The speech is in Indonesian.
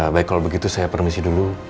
baik kalau begitu saya permisi dulu